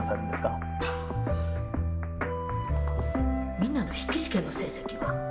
みんなの筆記試験の成績は？